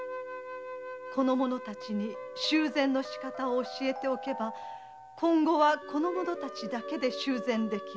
修繕のしかたを教えておけば今後はこの者たちだけで修繕できる。